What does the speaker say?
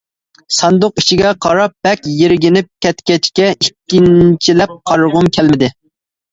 ساندۇق ئىچىگە قاراپ بەك يىرگىنىپ كەتكەچكە ئىككىنچىلەپ قارىغۇم كەلمىدى.